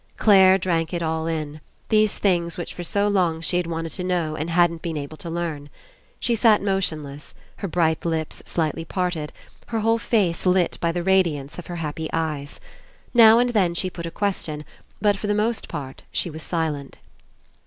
Clare drank it all In, these things which for so long she had wanted to know and hadn't been able to learn. She sat motionless, her bright lips slightly parted, her whole face lit by the radiance of her happy eyes. Now and then she put a question, but for the most part she was silent.